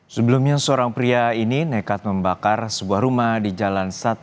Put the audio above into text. sebelumnya seorang pria ini nekat membakar sebuah rumah di jalan satwa